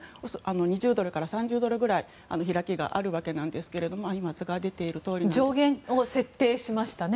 ２０ドルから３０ドルぐらい開きがあるわけなんですが上限を設定しましたね。